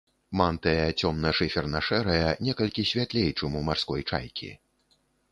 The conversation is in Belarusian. Мантыя цёмна шыферна-шэрая, некалькі святлей, чым у марской чайкі.